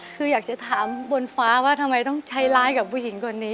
คืออยากจะถามบนฟ้าว่าทำไมต้องใช้ร้ายกับผู้หญิงคนนี้